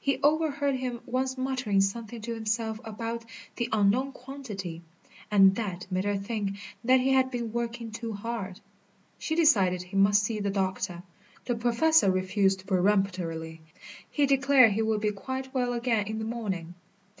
She overheard him once muttering something to himself about "the unknown quantity," and that made her think that he had been working too hard. She decided he must see the doctor. The Professor refused peremptorily. He declared he would be quite well again in the morning.